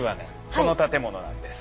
この建物なんです。